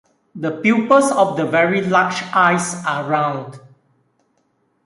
The pupils of the very large eyes are round.